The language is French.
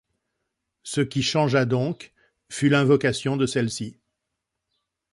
Ce qui changea donc fut l'invocation de celle-ci.